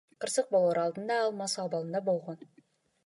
Кырсык болоор алдында ал мас абалында болгон.